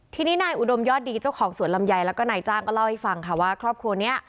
ทีนี้นายอุดมยอดดีเจ้าของสวนลำไยแล้วก็นายจ้างก็เล่าให้ฟังค่ะว่าครอบครัวนี้